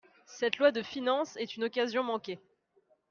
Cette loi de finances est une occasion manquée.